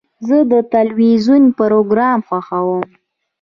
زه د تلویزیون پروګرام خوښوم.